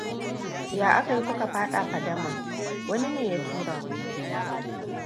Ya aka yi kuka fada fadama? Wani ne ya tura mu.